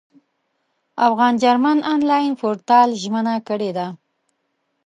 افغان جرمن انلاین پورتال ژمنه کړې ده.